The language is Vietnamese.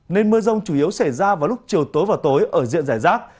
nên mưa rông chủ yếu xảy ra vào lúc chiều tối và tối ở diện giải rác